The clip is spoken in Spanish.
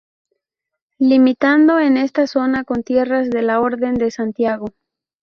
Limitando en esta zona con tierras de la Orden de Santiago.